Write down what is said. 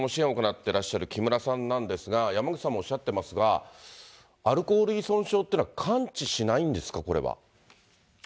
てらっしゃる木村さんなんですが、山口さんもおっしゃってますが、アルコール依存症というのは完治しないんですか、これは。